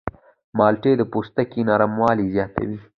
مالټې د پوستکي نرموالی زیاتوي.